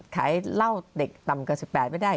ขายเหล้าเด็กต่ำกว่า๑๘ไม่ได้